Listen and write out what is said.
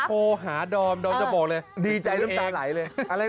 โทรหาดอมดอมจะบอกเลยดีใจน้ำตาไหลเลย